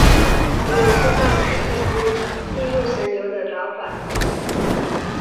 程勇是上海一间印度神油店的老板。